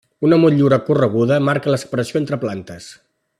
Una motllura correguda marca la separació entre plantes.